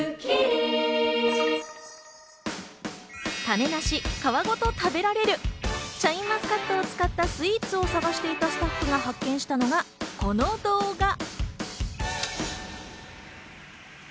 ＧｉｆｔｆｒｏｍｔｈｅＥａｒｔｈ種なし、皮ごと食べられるシャインマスカットを使ったスイーツを探していたスタッフが発見したのがこの動画。